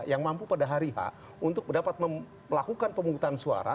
yang mampu pada hari h untuk dapat melakukan pemungutan suara